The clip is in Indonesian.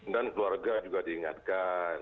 dan keluarga juga diingatkan